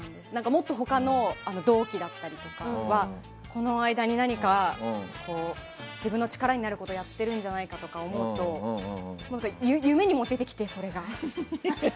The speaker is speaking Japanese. もっと他の同期だったりとかはこの間に何か自分の力になることをやっているんじゃないかと思うと夢にも出てきて、それが。